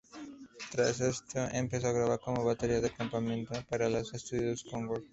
Tras esto, empezó a grabar como batería de acompañamiento para los estudios Concord.